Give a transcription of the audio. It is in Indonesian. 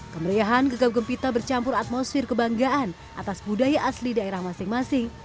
kemeriahan gegap gempita bercampur atmosfer kebanggaan atas budaya asli daerah masing masing